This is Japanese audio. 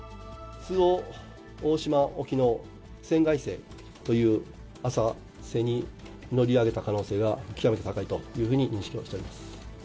周防大島沖のセンガイ瀬という浅瀬に乗り上げた可能性が極めて高いというふうに認識をしております。